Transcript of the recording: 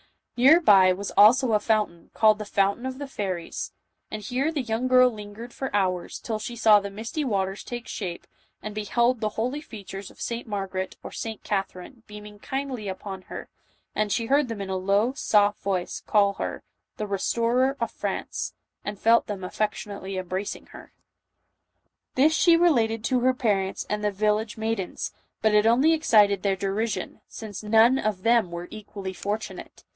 Near by was also a fountain, called the " Fountain of the Fairies," and here tho 14:8 JOAN OF ARC. young girl lingered for hours, till slic saw the _ waters tatel&apeTand beheld the holy features of St^ Margaret or St. Catherine, beaming kindly upon her, and heard them in a low, soft voice call her " the res torer of France," and felt them affectionately embra cing her. This she related to her parents and the village maidens, but it only excited their derision, since none of them were equally fortunate.